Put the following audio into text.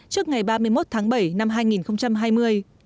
trước ngày ba mươi một tháng bảy năm hai nghìn hai mươi